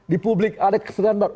di publik ada kesadaran baru